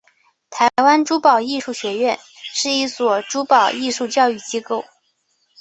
台湾珠宝艺术学院是一所珠宝艺术教育机构。